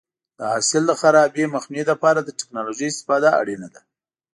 د حاصل د خرابي مخنیوي لپاره د ټکنالوژۍ استفاده اړینه ده.